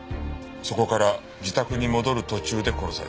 そこから自宅に戻る途中で殺された。